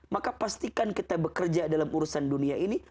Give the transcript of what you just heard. maka pastikan kita bekerja dalam urusan dunia ini